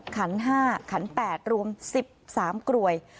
ขัน๕ขัน๘รวม๑๓กรวย